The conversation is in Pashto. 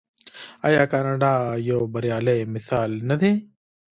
آیا کاناډا یو بریالی مثال نه دی؟